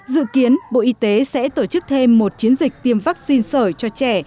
dự kiến bộ y tế sẽ tổ chức thêm một chiến dịch tiêm vaccine sởi cho trẻ